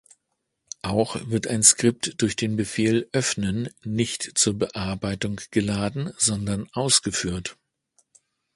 Auch wird ein Skript durch den Befehl „Öffnen“ nicht zur Bearbeitung geladen, sondern ausgeführt.